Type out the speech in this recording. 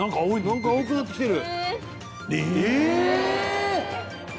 なんか青くなってきてる！